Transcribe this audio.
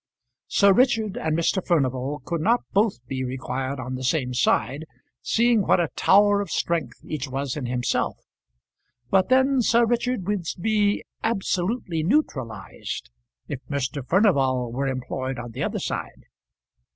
Sir Richard and Mr. Furnival could not both be required on the same side, seeing what a tower of strength each was in himself; but then Sir Richard would be absolutely neutralized if Mr. Furnival were employed on the other side.